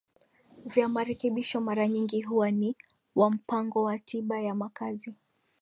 vya marekebisho mara nyingi huwa ni wa mpango wa tiba ya makazi